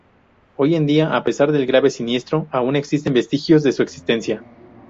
Hoy en día a pesar del grave siniestro aún existen vestigios de su existencia.